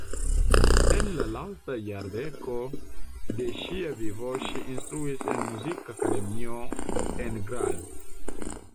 En la lasta jardeko de ŝia vivo ŝi instruis en muzikakademio en Graz.